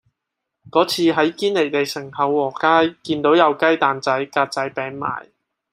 嗰次喺堅尼地城厚和街見到有雞蛋仔格仔餅賣